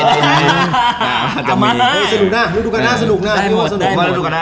รู้ทุกคนหน้ามันสนุกนะ